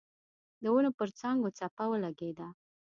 د ونو پر څانګو څپه ولګېده.